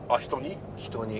人に？